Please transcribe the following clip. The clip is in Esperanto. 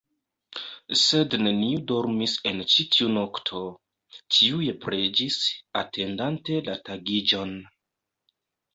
Sed neniu dormis en ĉi tiu nokto, ĉiuj preĝis, atendante la tagiĝon.